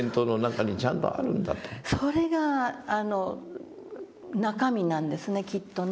それが中身なんですねきっとね。